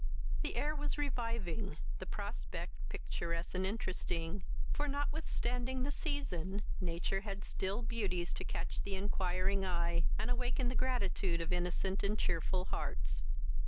The air was reviving, the prospect picturesque and interesting; for notwithstanding the season, nature had still beauties to catch the inquiring eye, and awaken the gratitude of innocent and cheerful hearts.